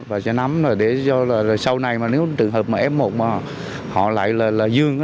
và sẽ nắm rồi để cho là sau này mà nếu trường hợp mà f một mà họ lại là dương